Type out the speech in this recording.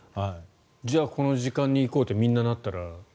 じゃあこの時間に行こうってみんななったら。